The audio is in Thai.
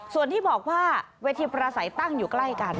ส่วนที่บอกว่าเวทีประสัยตั้งอยู่ใกล้กัน